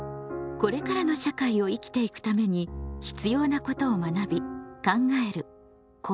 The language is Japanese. これからの社会を生きていくために必要なことを学び考える「公共」。